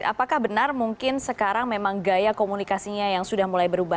apakah benar mungkin sekarang memang gaya komunikasinya yang sudah mulai berubah